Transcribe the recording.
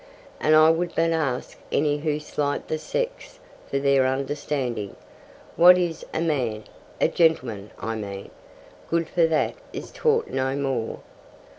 And I would but ask any who slight the sex for their understanding, "What is a man (a gentleman I mean) good for that is taught no more?"